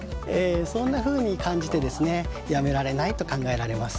そんなふうに感じてやめられないと考えられます。